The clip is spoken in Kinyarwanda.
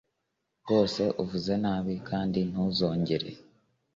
rwose uvuze nabi kandi ntuzongere